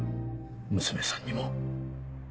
娘さんにも。